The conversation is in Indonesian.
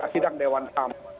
sidang dewan ham